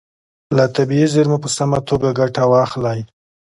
له طبیعي زیرمو په سمه توګه ګټه واخلئ.